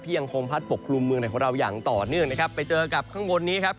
ยังคงพัดปกคลุมเมืองไหนของเราอย่างต่อเนื่องนะครับไปเจอกับข้างบนนี้ครับ